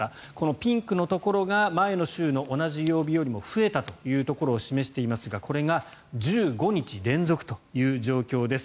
ピンクのところが前の週の同じ曜日よりも増えたというところを示していますがこれが１５日連続という状況です。